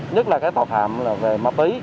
nhất là cái tội phạm là về mập ý